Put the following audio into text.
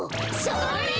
それ！